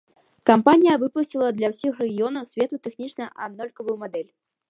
Кампанія выпусціла для ўсіх рэгіёнаў свету тэхнічна аднолькавую мадэль.